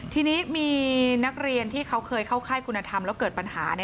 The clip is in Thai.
ทีนี้มีนักเรียนที่เขาเคยเข้าค่ายคุณธรรมแล้วเกิดปัญหา